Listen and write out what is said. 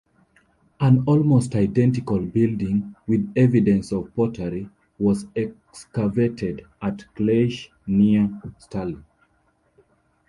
An almost identical building, with evidence of pottery, was excavated at Claish near Stirling.